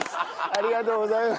ありがとうございます。